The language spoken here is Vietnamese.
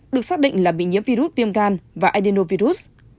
được xác định là bị nhiễm virus viêm gan và edinovirus